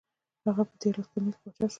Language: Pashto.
هغه په دیارلس کلنۍ کې پاچا شو.